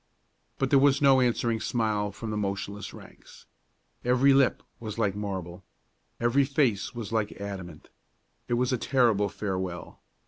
But there was no answering smile from the motionless ranks. Every lip was like marble; every face was like adamant. It was a terrible farewell.